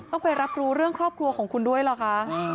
ต้องไปรับรู้เรื่องครอบครัวของคุณด้วยเหรอคะ